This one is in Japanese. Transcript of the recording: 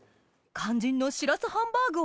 肝心のしらすハンバーグは？